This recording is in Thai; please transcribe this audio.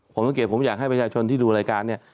ผมสังเกตผมอยากให้ประชาชนที่ดูรายการเนี่ย